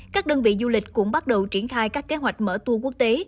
các đơn vị du lịch cũng bắt đầu triển khai các kế hoạch mở tour quốc tế